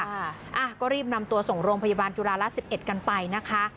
อ่ะก็รีบนำตัวส่งโรงพยาบาลจุฬาละ๑๑กันไปนะคะ